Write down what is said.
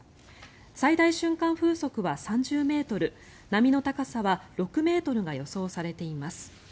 最大瞬間風速は３０ｍ波の高さは６ｍが予想されています。